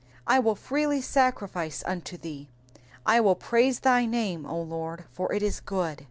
6 I will freely sacrifice unto thee : I will praise thy name, O Lord ; for it is good.